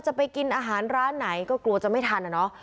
จะไปกินอาหารร้านไหนก็กลัวจะไม่ทันอะเนาะ